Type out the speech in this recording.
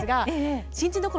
新人のころ